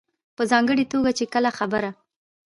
په ځانګړې توګه چې کله خبره